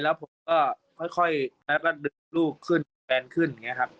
แล้วผมก็ค่อยแล้วก็ดึงลูกขึ้นดับแฟนขึ้นอย่างนี้ครับ